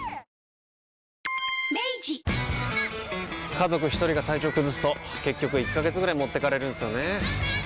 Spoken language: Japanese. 家族一人が体調崩すと結局１ヶ月ぐらい持ってかれるんすよねー。